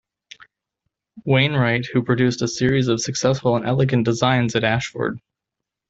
Wainwright who produced a series of successful and elegant designs at Ashford.